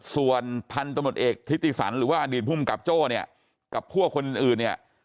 ส่วนพันธุ์ตำรวจเอกทิติสันหรือว่าอดีตภูมิกับโจ้เนี่ยกับพวกคนอื่นเนี่ย